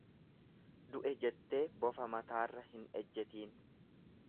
Du'e jettee bofa mataarra hin ejjetiin.